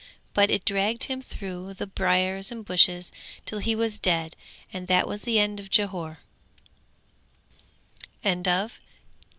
But it dragged him through the briars and bushes till he was dead and that was the end of Jhore. II.